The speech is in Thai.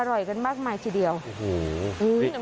อร่อยกันมากมายทีเดียวโอ้โห